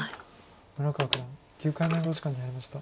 村川九段９回目の考慮時間に入りました。